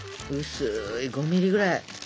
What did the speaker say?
薄い５ミリぐらい。